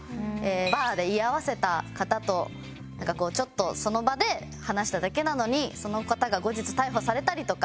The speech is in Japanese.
バーで居合わせた方となんかこうちょっとその場で話しただけなのにその方が後日逮捕されたりとか。